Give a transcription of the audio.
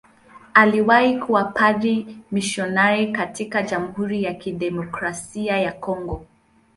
Aliwahi kuwa padri mmisionari katika Jamhuri ya Kidemokrasia ya Kongo.